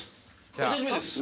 お久しぶりです！